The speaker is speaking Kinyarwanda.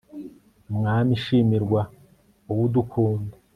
r/mwami shimirwa (x), wowe udukunda